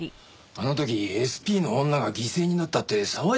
あの時ＳＰの女が犠牲になったって騒いでたもんな。